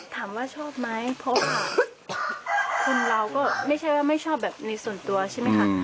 ถามว่าชอบไหมเพราะว่าคนเราก็ไม่ใช่ว่าไม่ชอบแบบในส่วนตัวใช่ไหมคะ